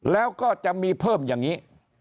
แล้วก็จะมีเพิ่มอย่างนี้